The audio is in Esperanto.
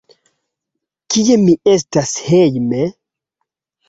Kie mi estas hejme?